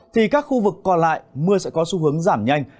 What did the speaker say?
thì các khu vực còn lại mưa sẽ có xu hướng giảm nhanh